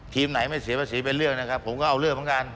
ทีมไหนไม่เสียภาษีเป็นเรื่องนะครับผมก็เอาเรื่องเหมือนกัน